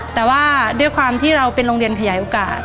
แต่ว่าด้วยความที่เราเป็นโรงเรียนขยายโอกาส